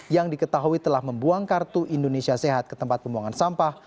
yang diketahui telah membuang kartu indonesia sehat ke tempat pembuangan sampah